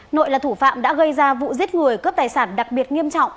nội là thủ phạm đã gây ra vụ giết người cướp tài sản đặc biệt nghiêm trọng